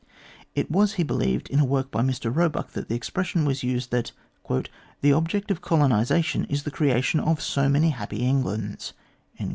It was, he believed, in a work by Mr Roebuck that the expression was used, that " the object of colonisation is the creation of so many happy Englands."